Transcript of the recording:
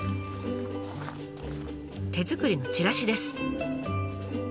手作りのチラシです。